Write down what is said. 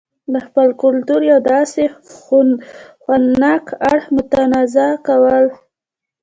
دخپل کلتور يو داسې خوند ناک اړخ متنازعه کول